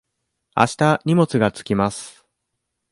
あした荷物が着きます。